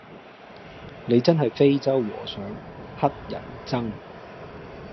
你真係非洲和尚乞人憎